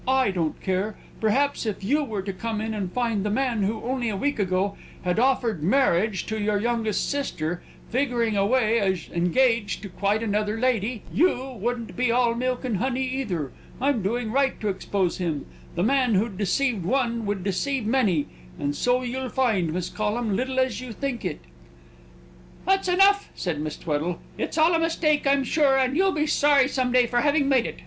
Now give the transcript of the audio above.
I don't care! Perhaps if you were to come in and find the man who, only a week ago, had offered marriage to your youngest sister, figuring away as engaged to quite another lady, you wouldn't be all milk and honey, either. I'm doing right to expose him. The man who'd deceive one would deceive many, and so you'll find, Miss Collum, little as you think it." "That's enough," said Miss Tweddle. "It's all a mistake, I'm sure, and you'll be sorry some day for having made it.